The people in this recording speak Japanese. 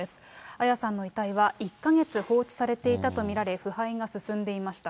彩さんの遺体は１か月放置されていたと見られ、腐敗が進んでいました。